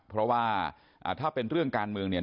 เพราะว่าถ้าเป็นเรื่องการเมืองเนี่ย